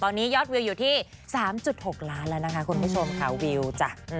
ตอนนี้ยอดวิวอยู่ที่๓๖ล้านแล้วนะคะคุณผู้ชมค่ะวิวจ้ะ